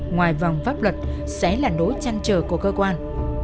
ngoài vòng pháp luật sẽ là nỗi chăn trở của cơ quan